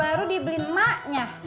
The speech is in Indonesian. rumah baru dia beliin maknya